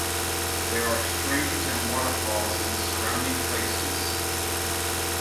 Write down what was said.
There are streams and waterfalls in the surrounding places.